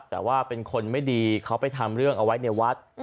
แต่ว่าเป็นคนไม่ดีเขาไปทำเรื่องเอาไว้ในวัด